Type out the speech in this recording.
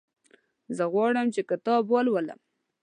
زه غواړم چې کتاب ولولم.